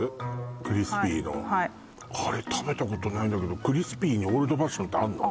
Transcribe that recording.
クリスピーのあれ食べたことないんだけどクリスピーにオールドファッションってあんの？